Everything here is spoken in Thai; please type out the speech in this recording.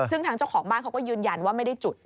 ซึ่งทางเจ้าของบ้านเขาก็ยืนยันว่าไม่ได้จุด